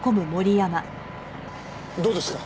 どうですか？